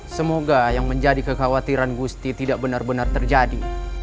semoga yang menjadi kekhawatiran gusti tidak benar benar terjadi